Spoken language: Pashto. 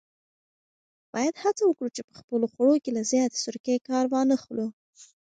باید هڅه وکړو چې په خپلو خوړو کې له زیاتې سرکې کار وانخلو.